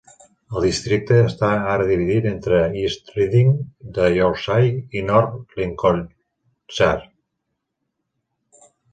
El districte està ara dividit entre East Riding de Yorkshire i North Lincolnshire.